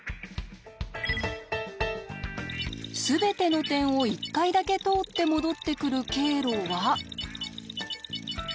すべての点を１回だけ通って戻ってくる経路は。